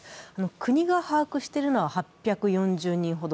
国が把握しているのは８４０人ほど。